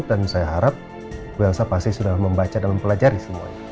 dan saya harap ibu elsa pasti sudah membaca dan mempelajari semuanya